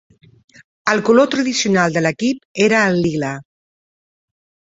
El color tradicional de l'equip era el lila.